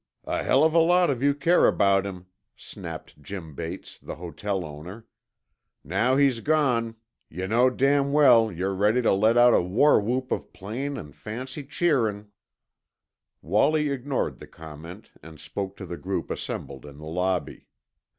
"A hell of a lot you care about him," snapped Jim Bates, the hotel owner. "Now he's gone, yuh know damn well yer ready tuh let out a war whoop of plain an' fancy cheerin'." Wallie ignored the comment and spoke to the group assembled in the lobby.